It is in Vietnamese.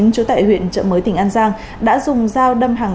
chú tại huyện chợ mới tỉnh an giang đã dùng dao đâm hàng sáu